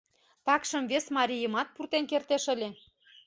Такшым вес марийымат пуртен кертеш ыле.